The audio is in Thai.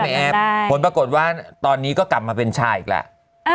แอปผลปรากฏว่าตอนนี้ก็กลับมาเป็นชายอีกแล้ว